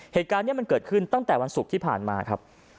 เหตุการณ์นี้มันเกิดขึ้นตั้งแต่วันศุกร์ที่ผ่านมาครับ